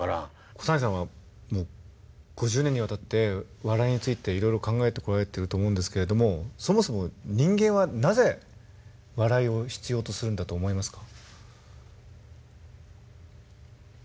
小三治さんは５０年にわたって笑いについていろいろ考えてこられてると思うんですけれどもそもそも人間はなぜ笑いを必要とするんだと思いますか？